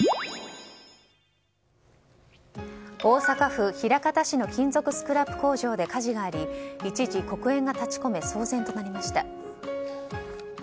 大阪府枚方市の金属スクラップ工場で火事があり一時、黒煙が立ち込め騒然となりました。